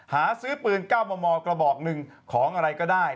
หาซื้อปืน๙มมกระบอกหนึ่งของอะไรก็ได้